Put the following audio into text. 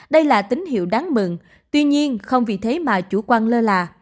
đây là tín hiệu đáng mừng tuy nhiên không vì thế mà chủ quan lơ là